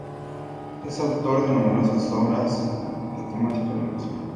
Es autor de numerosas obras de temática lingüística.